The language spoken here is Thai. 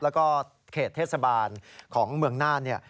แล้วก็เขตเทศบาลของเมืองน่านเนี่ย